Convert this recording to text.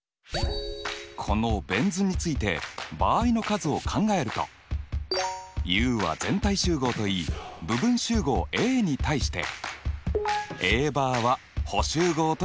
このベン図について場合の数を考えるとＵは全体集合といい部分集合Ａに対してＡバーは補集合といったよね？